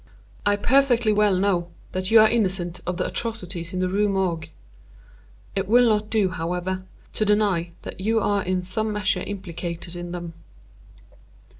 I perfectly well know that you are innocent of the atrocities in the Rue Morgue. It will not do, however, to deny that you are in some measure implicated in them.